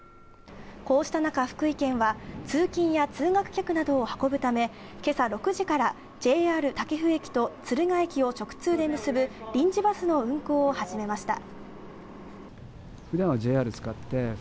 こうした中、福井県は通勤や通学客など運ぶため今朝６時からＪＲ武生駅と敦賀駅を直通で結ぶ臨時バスの運行を始めました。